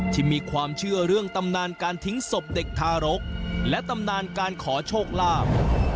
ที่มีความเชื่อเรื่องตำนานการทิ้งศพเด็กทารกและตำนานการขอโชคลาภ